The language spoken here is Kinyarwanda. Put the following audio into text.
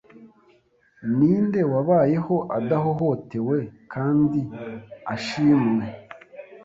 Ninde wabayeho adahohotewe kandi ashimwe